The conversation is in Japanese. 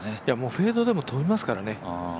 フェードでも飛びますからね。